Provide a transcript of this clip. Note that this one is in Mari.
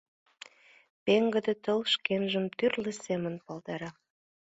Пеҥгыде тыл шкенжым тӱрлӧ семын палдара.